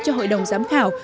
cho hội đồng giám khảo